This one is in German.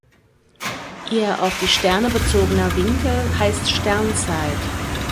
Ihr auf die Sterne bezogener Winkel heißt Sternzeit.